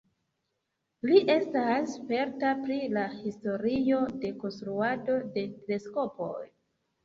Li estas sperta pri la historio de konstruado de teleskopoj.